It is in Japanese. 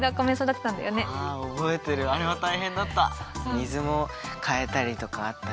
水もかえたりとかあったし。